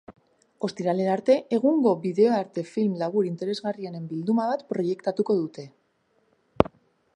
Ostiralera arte, egungo bideoarte film labur interesgarrienen bilduma bat proiektatuko dute.